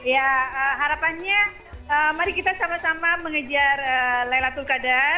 ya harapannya mari kita sama sama mengejar laylatul qadar